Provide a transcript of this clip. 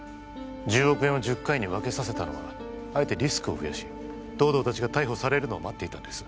１０億円を１０回に分けさせたのはあえてリスクを増やし東堂達が逮捕されるのを待っていたんです